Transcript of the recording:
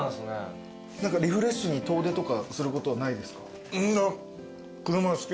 何かリフレッシュに遠出とかすることはないですか？